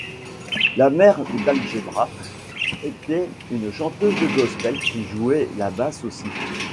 La mère d'Algebra était une chanteuse de gospel qui jouait la basse aussi.